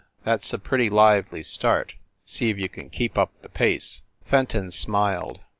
That s a pretty lively start; see if you can keep up the pace." Fenton smiled.